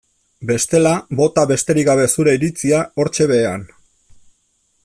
Bestela bota besterik gabe zure iritzia hortxe behean.